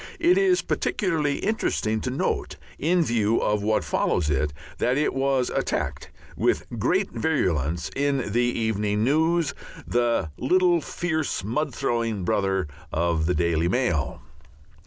It is particularly interesting to note, in view of what follows it, that it was attacked with great virulence in the Evening News, the little fierce mud throwing brother of the Daily Mail.